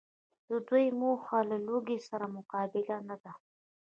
د دوی موخه د لوږي سره مقابله نده